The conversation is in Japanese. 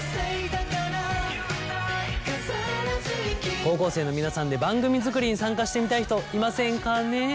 高校生の皆さんで番組作りに参加してみたい人いませんかね。